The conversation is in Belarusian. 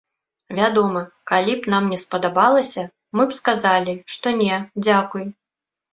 Вядома, калі б нам не спадабалася, мы б сказалі, што не, дзякуй.